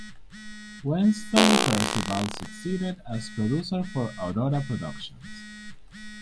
Weston Perceval succeeds as producer for Aurora Productions.